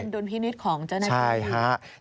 เป็นโดนพินิษฐ์ของเจ้าหน้าที่